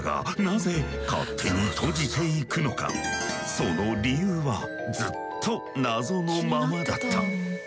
その理由はずっと謎のままだった。